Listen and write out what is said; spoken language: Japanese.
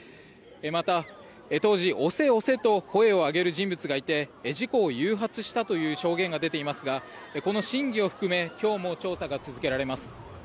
また当時、押せ押せと声を上げる人物がいて事故を誘発したという証言が出ていますがこの真偽を含め今日も調査が続けられます。